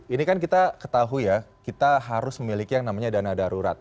ini kan kita ketahui ya kita harus memiliki yang namanya dana darurat